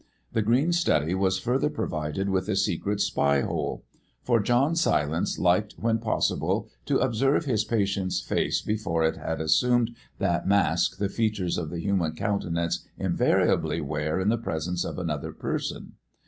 The green study was further provided with a secret spy hole; for John Silence liked when possible to observe his patient's face before it had assumed that mask the features of the human countenance invariably wear in the presence of another person.